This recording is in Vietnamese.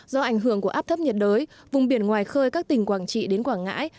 do ảnh hưởng của áp thấp nhiệt đới vùng biển ngoài khơi các tỉnh quảng trị đến quảng ngãi